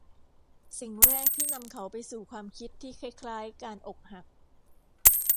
สิ่งแรกที่นำเขาไปสู่ความคิดที่คล้าย ๆ การอกหัก